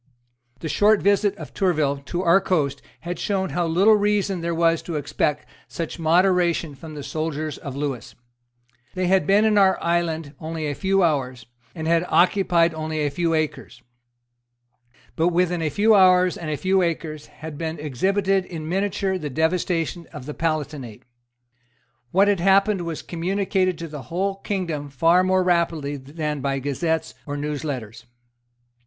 The short visit of Tourville to our coast had shown how little reason there was to expect such moderation from the soldiers of Lewis. They had been in our island only a few hours, and had occupied only a few acres. But within a few hours and a few acres had been exhibited in miniature the devastation of the Palatinate. What had happened was communicated to the whole kingdom far more rapidly than by gazettes or news letters.